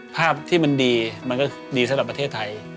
ภาพที่มันดีมันก็ดีสำหรับประเทศไทย